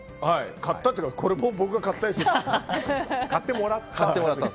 買ったというかこれも僕が買ったやつ。